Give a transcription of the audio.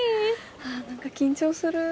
何か緊張する。